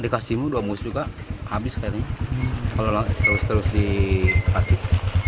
kalau terus terus dipasik